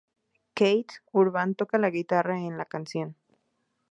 Keith Urban toca la guitarra en la canción.